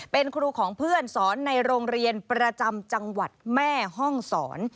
เป็นครูของเพื่อนสอนในโรงเรียนประจำจังหวัดแม่ห้องศร